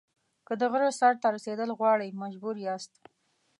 که د غره سر ته رسېدل غواړئ مجبور یاست.